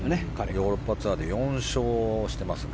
ヨーロッパツアーで４勝していますね。